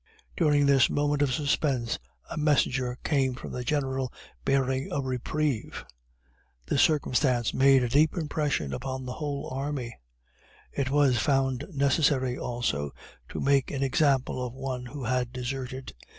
During this moment of suspense a messenger came from the General bearing a reprieve. This circumstance made a deep impression upon the whole army. It was found necessary, also, to make an example of one who had deserted.